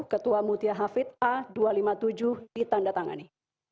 ketua mutia hafid a dua ratus lima puluh tujuh ditanda tangani